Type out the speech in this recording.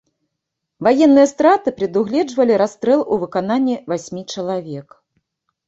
Ваенныя страты прадугледжвалі расстрэл у выкананні васьмі чалавек.